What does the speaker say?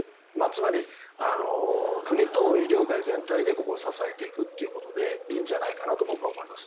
つまり、国と医療界全体でここを支えていくということでいいんじゃないかなと思います。